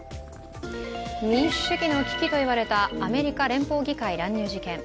民主主義の危機といわれたアメリカ連邦議会乱入事件。